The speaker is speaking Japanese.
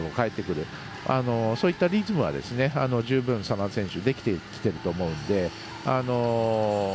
そういったリズムは十分、眞田選手できてきていると思うので。